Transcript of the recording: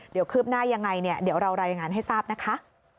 เดี๋ยวคืบหน้ายังไงเนี่ยเดี๋ยวเรารายงานให้ทราบนะคะ